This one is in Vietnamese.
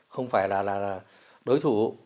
không phải là đối thủ